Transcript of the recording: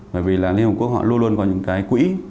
bởi vì là liên hợp quốc họ luôn luôn có những cái quỹ